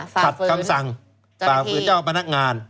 ขัดคำสั่งฝ่าฝืนเจ้าพนักงาน